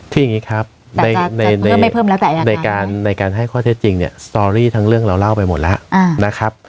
คืออย่างนี้ครับในการให้ข้อเท็จจริงเนี่ยสตอรี่ทั้งเรื่องเราเล่าไปหมดแล้วนะครับ